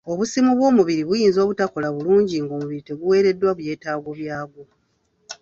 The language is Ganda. Obusimu bw'omubiri buyinza obutakola bulungi ng'omubiri teguweereddwa byetaago byagwo